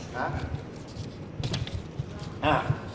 หา